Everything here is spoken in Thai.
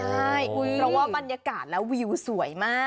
ใช่เพราะว่าบรรยากาศแล้ววิวสวยมาก